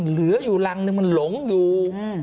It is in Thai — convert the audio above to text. เหลืออยู่รังนึงมันหลงอยู่